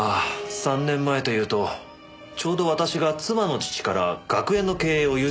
３年前というとちょうど私が妻の父から学園の経営を譲り受けた頃ですか。